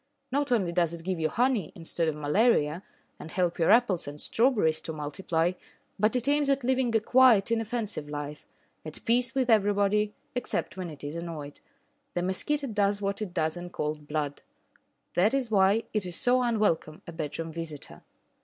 Not only does it give you honey instead of malaria, and help your apples and strawberries to multiply, but it aims at living a quiet, inoffensive life, at peace with everybody, except when it is annoyed. The mosquito does what it does in cold blood. That is why it is so unwelcome a bedroom visitor.